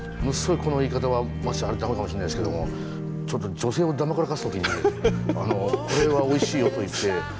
この言い方は駄目かもしんないですけどもちょっと女性をだまくらかす時にこれはおいしいよと言って。